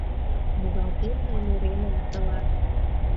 Муралтем мый муремым тылат.